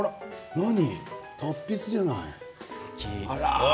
達筆じゃない。